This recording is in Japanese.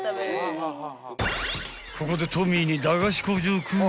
［ここでトミーに］